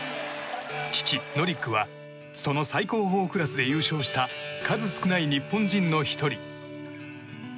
父ノリックはその最高峰クラスで優勝した数少ない日本人の１人。